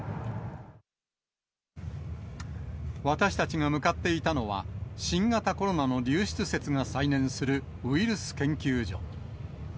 私たちが向かっていたのは、新型コロナの流出説が再燃するウイルス研究所。